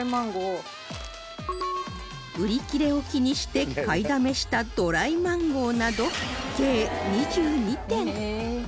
売り切れを気にして買いだめしたドライマンゴーなど計２２点